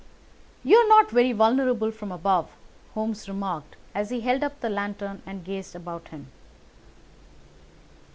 "You are not very vulnerable from above," Holmes remarked as he held up the lantern and gazed about him.